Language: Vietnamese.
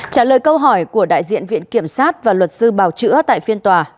trả lời câu hỏi của đại diện viện kiểm sát và luật sư bào chữa tại phiên tòa